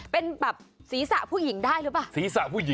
เป็นแบบศีรศะผู้หญิงได้แล้วปะศีรศะผู้หญิง